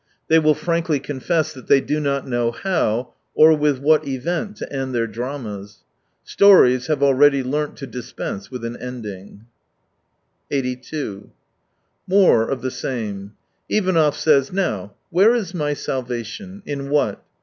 They will frankly confess that they do not know how, or with what event to end their dramas. Stories have already learnt to dispense with an ending. 82 More of the same. — Ivanov says :" Now, where is my salvation ? In what